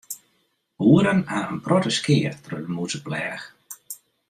Boeren ha in protte skea troch de mûzepleach.